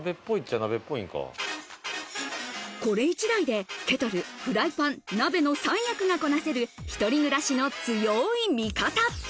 これ１台でケトル、フライパン、鍋の三役がこなせる、一人暮らしの強い味方。